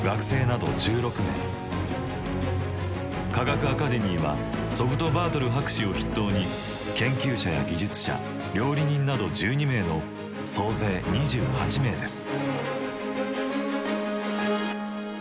科学アカデミーはツォグトバートル博士を筆頭に研究者や技術者料理人など１２名の総勢２８名です。